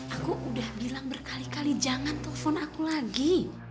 aku udah bilang berkali kali jangan telepon aku lagi